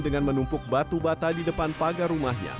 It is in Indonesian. dengan menumpuk batu bata di depan pagar rumahnya